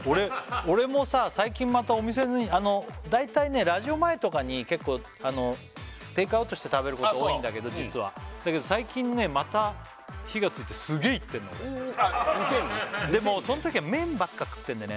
俺もさ最近またお店に大体ねラジオ前とかに結構テイクアウトして食べること多いんだけど実はだけど最近ねまた火がついてすげえ行ってんの俺店にねでもそのときは麺ばっかり食ってんだよね